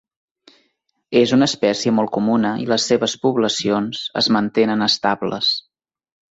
És una espècie molt comuna i les seves poblacions es mantenen estables.